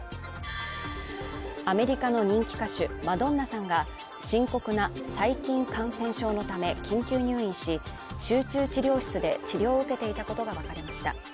アメリカの人気歌手マドンナさんが深刻な細菌感染症のため緊急入院し、集中治療室で治療を受けていたことがわかりました。